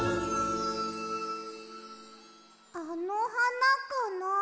あのはなかな？